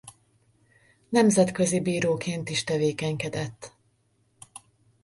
Nemzetközi bíróként is tevékenykedett.